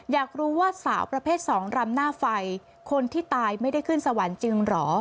อยากรู้ว่าสาวประเภทสองรำหน้าไฟคนที่ตายไม่ได้ขึ้นสวรรค์จริงเหรอ